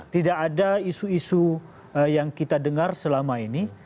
tidak ada isu isu yang kita dengar selama ini